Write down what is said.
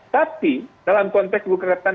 tapi dalam konteks buka kertanian